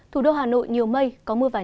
thủ đô hà nội nhiều mây có mưa vài nơi